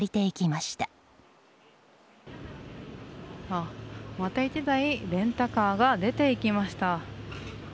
また１台、レンタカーが出て行きました。